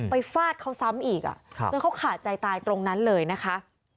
ฟาดเขาซ้ำอีกจนเขาขาดใจตายตรงนั้นเลยนะคะ